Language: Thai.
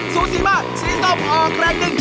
สูโซสีบ่าสีส้มออกแกล้งดึง